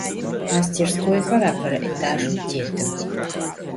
Mastêrskoyxer apere etajjım têtıx.